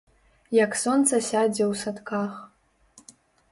Як сонца сядзе ў садках.